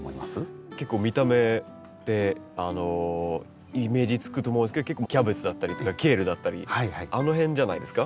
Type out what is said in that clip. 結構見た目でイメージつくと思うんですけどキャベツだったりとかケールだったりあの辺じゃないですか？